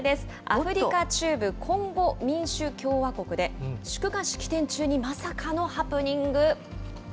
アフリカ中部コンゴ民主共和国で、祝賀式典中にまさかのハプニング。